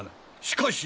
しかし。